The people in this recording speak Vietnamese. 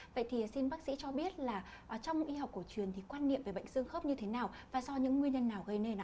vậy thì xin bác sĩ cho biết là trong y học cổ truyền thì quan niệm về bệnh xương khớp như thế nào và do những nguyên nhân nào gây nên